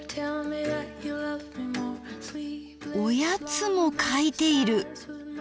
おやつも書いている！